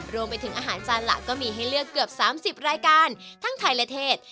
รวมไปถึงอาหารจานหลักก็มีให้เลือกเกือบ๓๐รายการทั้งไทยและเทศ